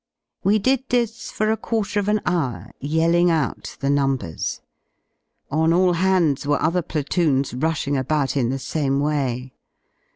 We did this for a quarter of an hour, yelling out the numbers. On all hands were other platoons rushing about in the same way.